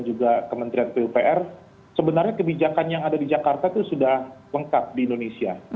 juga kementerian pupr sebenarnya kebijakan yang ada di jakarta itu sudah lengkap di indonesia